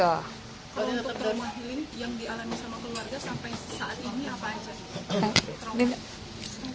untuk trauma yang dialami sama keluarga sampai saat ini apa aja